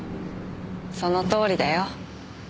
そのとおりだよ。